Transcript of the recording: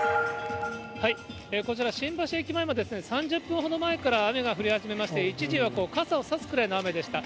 こちら、新橋駅前も、３０分ほど前から雨が降り始めまして、一時は傘を差すくらいの雨でした。